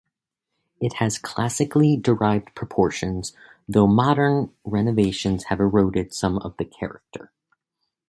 It has classically derived proportions though modern renovations have eroded some of the character.